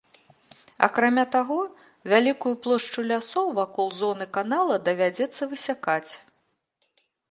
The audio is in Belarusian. Акрамя таго, вялікую плошчу лясоў вакол зоны канала давядзецца высякаць.